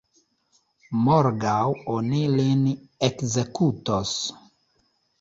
Morgaŭ oni lin ekzekutos.